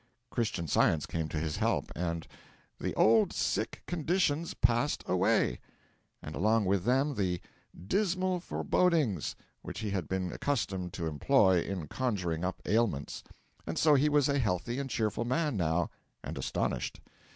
Christian Science came to his help, and 'the old sick conditions passed away,' and along with them the 'dismal forebodings' which he had been accustomed to employ in conjuring up ailments. And so he was a healthy and cheerful man, now, and astonished.